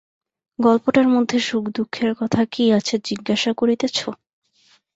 গল্পটার মধ্যে সুখদুঃখের কথা কী আছে জিজ্ঞাসা করিতেছ?